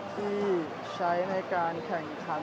ที่ใช้ในการแข่งขัน